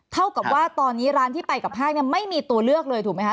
เท่ากับว่าตอนนี้ร้านที่ไปกับภาคเนี่ยไม่มีตัวเลือกเลยถูกไหมคะ